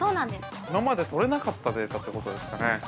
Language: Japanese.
◆今まで取れなかったデータということですかね。